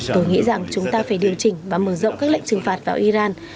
tôi nghĩ rằng chúng ta phải điều chỉnh và mở rộng các lệnh trừng phạt vào iran